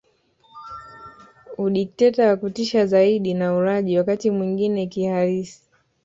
Udikteta wa kutisha zaidi na ulaji wakati mwingine kihalisi